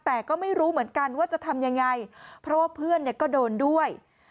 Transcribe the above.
แต่ก็ไม่รู้เหมือนกันว่าจะทำยังไงเพราะว่าเพื่อนเนี่ยก็โดนด้วย